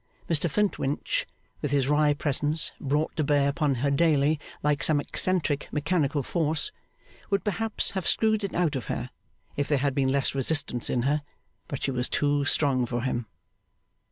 Mr Flintwinch, with his wry presence brought to bear upon her daily like some eccentric mechanical force, would perhaps have screwed it out of her, if there had been less resistance in her; but she was too strong for him.